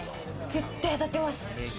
絶対当たってます。